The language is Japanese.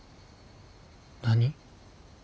何？